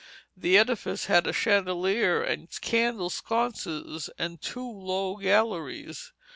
The edifice had a chandelier and candle sconces and two low galleries.